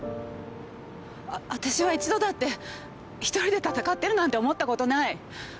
あたしは一度だって一人で闘ってるなんて思ったことない。